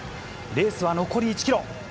レースは残り１キロ。